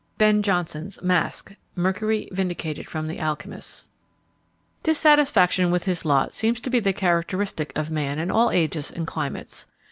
BEN JONSON'S Masque: Mercury vindicated from the Alchymists. Dissatisfaction with his lot seems to be the characteristic of man in all ages and climates.